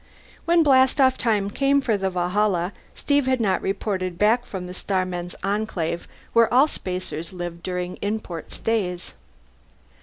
When blastoff time came for the Valhalla, Steve had not reported back from the Starmen's Enclave where all Spacers lived during in port stays.